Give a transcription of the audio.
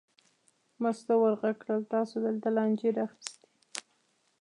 مستو ور غږ کړل: تاسې دلته لانجې را اخیستې.